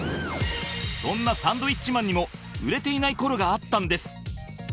そんなサンドウィッチマンにも売れていない頃があったんです